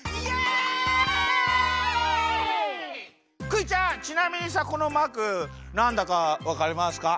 クイちゃんちなみにさこのマークなんだかわかりますか？